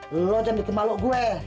lu jangan bikin malu gue